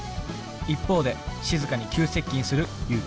一方でしずかに急接近する祐樹。